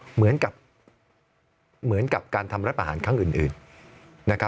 เหมือนกับการทำรัฐประหารครั้งอื่น